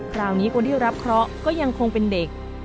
คราวนี้คนที่รับเคราะห์ก็ยังคงเป็นเด็ก